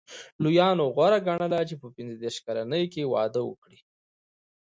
لېلیانو غوره ګڼله په پنځه دېرش کلنۍ کې واده وکړي.